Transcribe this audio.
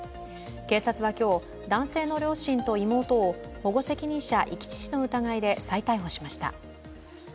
警察は今日、男性の両親と妹を保護責任者遺棄致死の疑いで再逮捕しました。